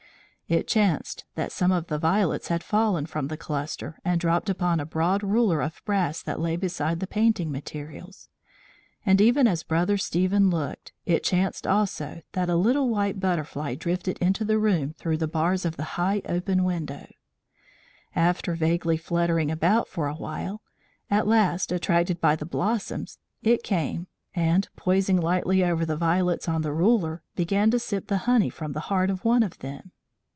It chanced that some of the violets had fallen from the cluster and dropped upon a broad ruler of brass that lay beside the painting materials. And even as Brother Stephen looked, it chanced also that a little white butterfly drifted into the room through the bars of the high, open window; after vaguely fluttering about for a while, at last, attracted by the blossoms, it came, and, poising lightly over the violets on the ruler, began to sip the honey from the heart of one of them.